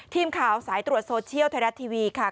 ทีมข่าวสายตรวจโซเชียลไทยรัฐทีวีค่ะ